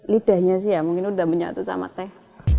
lidahnya sih ya mungkin udah menyatu sama teh